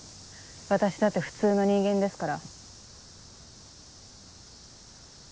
私だって普通の人間ですから。